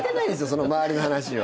その周りの話は。